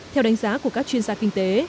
theo đánh giá của các chuyên gia kinh tế